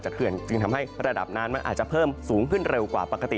เขื่อนจึงทำให้ระดับน้ำมันอาจจะเพิ่มสูงขึ้นเร็วกว่าปกติ